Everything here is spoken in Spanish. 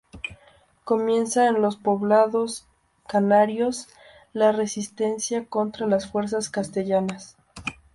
Comienza en los poblados canarios la resistencia contra las fuerzas castellanas.